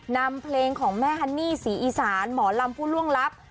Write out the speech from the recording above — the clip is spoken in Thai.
นำเพลงของแม่ฮันนี่ศรีอีสานหมอลำผู้ล่วงลับ